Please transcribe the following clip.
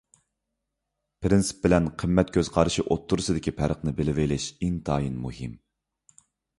پىرىنسىپ بىلەن قىممەت كۆز قارىشى ئوتتۇرىسىدىكى پەرقنى بىلىۋېلىش ئىنتايىن مۇھىم.